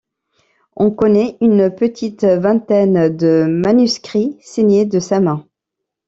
On connaît une petite vingtaine de manuscrits signés de sa main.